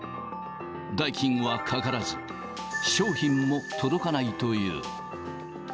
代金はかからず、商品も届かないという。